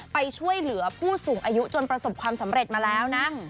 ไปช่วยเหลือผู้สูงอายุจนประสบความสำเร็จมาแล้วนะ